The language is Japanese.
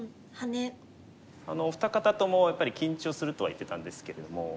お二方ともやっぱり緊張するとは言ってたんですけれども。